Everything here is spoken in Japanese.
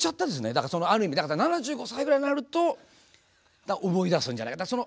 だからある意味７５歳ぐらいになると思い出すんじゃないかな。